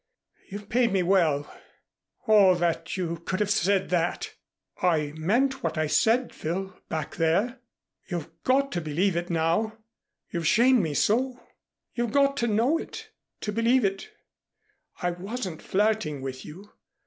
"You've paid me well. Oh, that you could have said that! I meant what I said, Phil, back there. You've got to believe it now you've shamed me so. You've got to know it to believe it. I wasn't flirting with you.